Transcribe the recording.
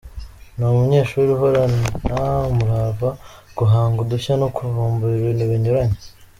Ni umunyeshuri uhorana umurava ,guhanga udushya no kuvumbura ibintu binyuranye.